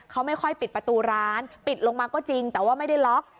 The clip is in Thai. เขาไม่ค่อยปิดประตูร้านปิดลงมาก็จริงแต่ว่าไม่ได้ล็อก